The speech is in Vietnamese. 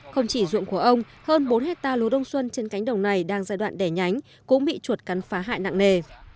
không chỉ dụng của ông hơn bốn hectare lúa đông xuân trên cánh đồng này đang giai đoạn đẻ nhánh cũng bị chuột cắn phá hại nặng nề